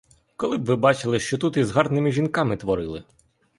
Коли б ви бачили, що тут з гарними жінками творили!